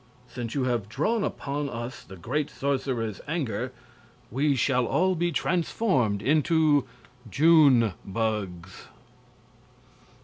since you have drawn upon us the great sorcerer's anger, we shall all be transformed into June bugs."